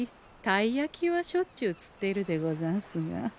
たい焼きはしょっちゅう釣っているでござんすが。